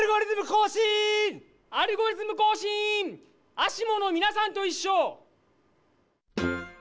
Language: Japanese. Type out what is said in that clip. ＡＳＩＭＯのみなさんといっしょ！